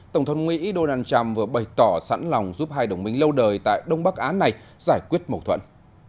tổng thống mỹ donald trump vừa bày tỏ sẵn lòng giúp hai đồng minh lâu đời tại đông bắc á này giải quyết mầu thuận